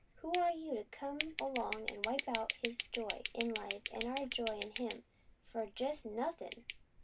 Who are you, to come 'long an' wipe out his joy in life, an' our joy in him, for jest nothin'?